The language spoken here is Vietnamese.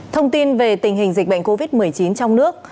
thông tin về tình hình dịch bệnh covid một mươi chín trong nước